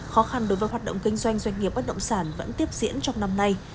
khó khăn đối với hoạt động kinh doanh doanh nghiệp bất động sản vẫn tiếp diễn trong năm nay